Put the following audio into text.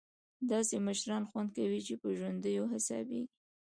داسې مشران خوند کوي چې په ژوندیو حسابېږي.